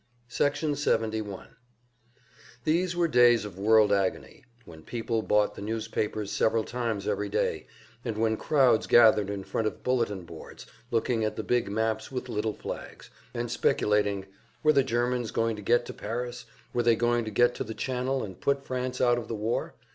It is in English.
Section 71 These were days of world agony, when people bought the newspapers several times every day, and when crowds gathered in front of bulletin boards, looking at the big maps with little flags, and speculating, were the Germans going to get to Paris, were they going to get to the Channel and put France out of the war?